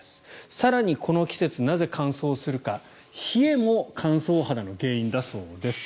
更に、この季節なぜ乾燥するか冷えも乾燥肌の原因だそうです。